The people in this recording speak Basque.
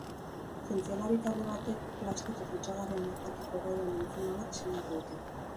Zientzialari talde batek plastiko kutsagarrienak jateko gai den entzima bat diseinatu dute.